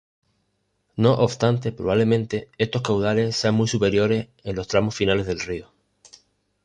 No obstante, probablemente estos caudales sean muy superiores en los tramos finales del río.